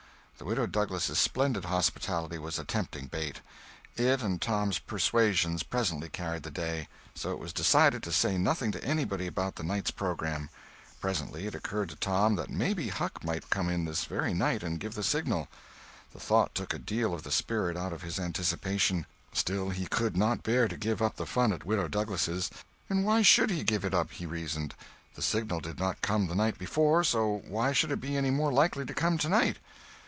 The Widow Douglas' splendid hospitality was a tempting bait. It and Tom's persuasions presently carried the day. So it was decided to say nothing to anybody about the night's programme. Presently it occurred to Tom that maybe Huck might come this very night and give the signal. The thought took a deal of the spirit out of his anticipations. Still he could not bear to give up the fun at Widow Douglas'. And why should he give it up, he reasoned—the signal did not come the night before, so why should it be any more likely to come tonight?